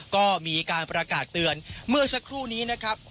ก็มีการประกาศเตือนเมื่อสักครู่นี้นะครับ